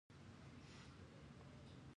چې حجرو ته د سرچپه حرکت امر وکي.